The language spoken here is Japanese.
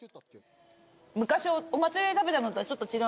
昔お祭りで食べたのとはちょっと違うね。